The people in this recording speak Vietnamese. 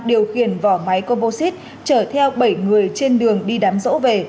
điều khiển vỏ máy composite chở theo bảy người trên đường đi đám rỗ về